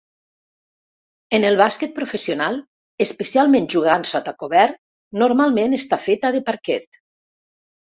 En el bàsquet professional, especialment jugant sota cobert, normalment està feta de parquet.